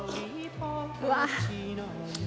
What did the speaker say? うわっ！